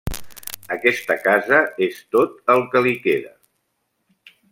Aquesta casa és tot el que li queda.